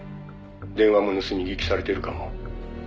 「電話も盗み聞きされてるかも」